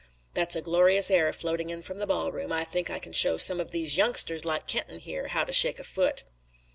That's a glorious air floating in from the ballroom. I think I can show some of these youngsters like Kenton here how to shake a foot."